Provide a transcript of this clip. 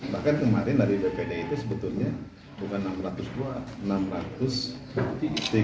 bahkan kemarin dari bpd itu sebetulnya bukan enam ratus dua enam ratus berarti tiga puluh delapan